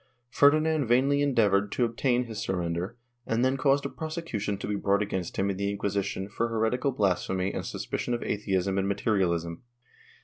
Ferdinand vainly endeavored to obtain his surrender and then caused a prosecution to be brought against him in the Inquisition for heretical blasphemy and suspicion of atheism and materialism.